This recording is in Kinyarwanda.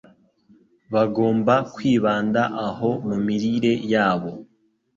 bagomba kwibanda aho mu mirire yabo